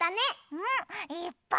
うん！いっぱい！